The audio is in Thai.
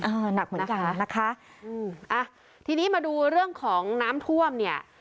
หนักเหมือนกันนะคะอืมอ่ะทีนี้มาดูเรื่องของน้ำท่วมเนี่ย